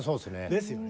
ですよね。